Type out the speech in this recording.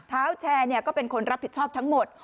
เท้าแชร์ก็เป็นคนรับผิดชอบทั้งหมด